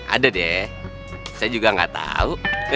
ada deh saya juga gak tau